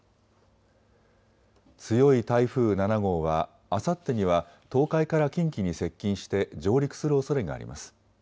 強い台風７号はあさってには東海から近畿に接近して上陸するおそれがあります。